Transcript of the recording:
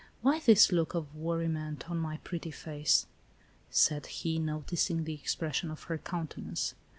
" Why this look of worriment on my pretty face ?" said he, noticing the expression of her countenance.